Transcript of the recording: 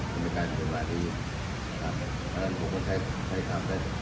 จะไม่กลายเป็นหลายทีครับดังนั้นผมควรใช้คำได้